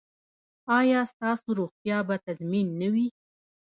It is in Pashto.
ایا ستاسو روغتیا به تضمین نه وي؟